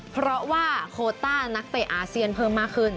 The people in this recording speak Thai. เพราะว่าโคต้านักเตะอาเซียนเพิ่มมากขึ้น